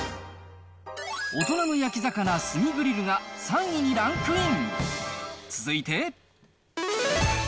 大人の焼魚炭グリルが３位にランクイン。